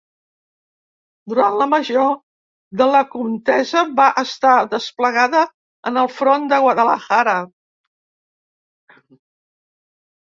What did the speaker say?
Durant la major de la contesa va estar desplegada en el front de Guadalajara.